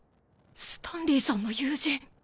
スタンリーさんの友人？